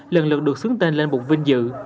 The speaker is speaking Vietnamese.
lần lượt được xướng tên lên bục vinh dự